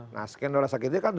nah skenario sakitnya kan